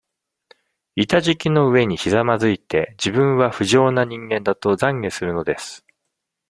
板敷きの上にひざまづいて、自分は、不浄な人間だと、懺悔するのです。